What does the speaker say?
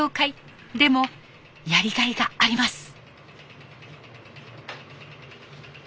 でもやりがいがあります。